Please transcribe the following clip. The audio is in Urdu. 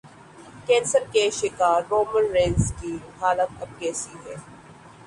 کینسر کے شکار رومن رینز کی حالت اب کیسی ہے